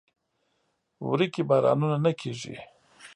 وری کې بارانونه زیات کیږي.